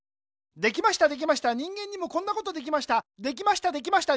できましたできました人間にもこんなことできました。